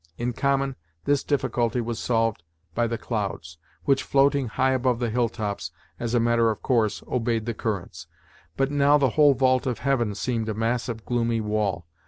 In common, this difficulty was solved by the clouds, which, floating high above the hill tops, as a matter of course obeyed the currents; but now the whole vault of heaven seemed a mass of gloomy wall.